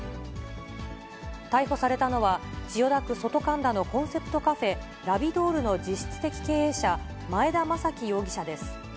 逮捕されたのは、千代田区外神田のコンセプトカフェ、ラビドールの実質的経営者、前田昌毅容疑者です。